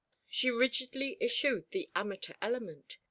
She rigidly eschewed the amateur element.